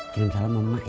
kirim salam sama emak ya